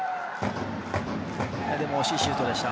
でも惜しいシュートでした。